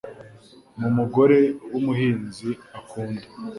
Mu mugore w'umuhinzi akunda